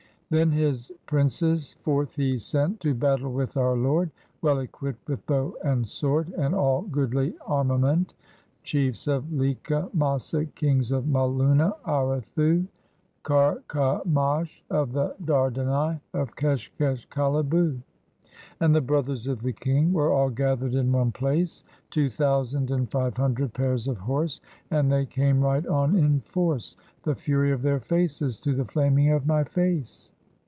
Then his princes forth he sent. To battle with our lord. Well equipped with bow and sword And all goodly armament, Chiefs of Leka, Masa, Kings of Malunna, Arathu, Qar qa mash, of the Dardani, of Keshkesh, Khihbu. And the brothers of the king were all gathered in one place. Two thousand and five hundred pairs of horse — And they came right on in force. The fury of their faces to the flaming of my face.